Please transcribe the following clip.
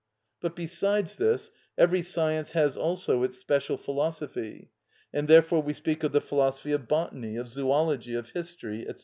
But besides this, every science has also its special philosophy; and therefore we speak of the philosophy of botany, of zoology, of history, &c.